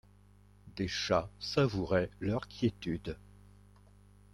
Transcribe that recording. Des chats savouraient leur quiétude.